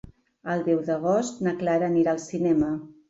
El deu d'agost na Clara anirà al cinema.